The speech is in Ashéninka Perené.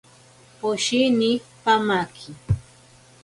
Poshini pamaki.